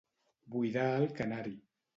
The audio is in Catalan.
Buidar el canari.